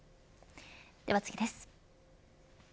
では次です。